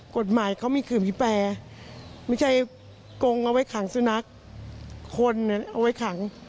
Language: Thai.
กฎหมายเขามีคืนมีแปรไม่ใช่กงเอาไว้ขังสุนัข